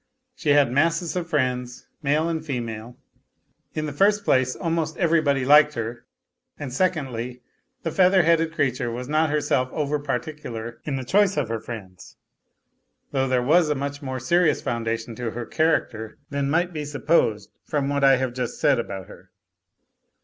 She had masses of friends, male and female. In the first place, almost everybody liked her ; and secondly, the feather headed creature was not herself over particular in the choice of her friends, though there was a much more serious foundation to her character than might be suppled from what I have just said about her.